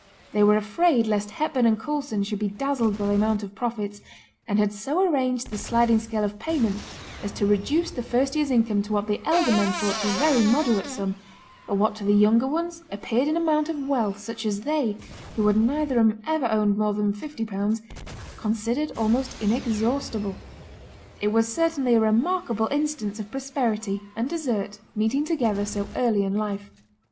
They were afraid lest Hepburn and Coulson should be dazzled by the amount of profits, and had so arranged the sliding scale of payment as to reduce the first year's income to what the elder men thought a very moderate sum, but what to the younger ones appeared an amount of wealth such as they, who had neither of them ever owned much more than fifty pounds, considered almost inexhaustible. It was certainly a remarkable instance of prosperity and desert meeting together so early in life.